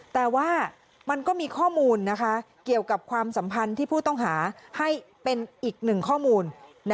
แต่ว่ามันก็มีข้อมูลเกี่ยวกับความสัมพันธ์ที่ผู้ต้องหาให้เป็นอีกหนึ่งข้อมูล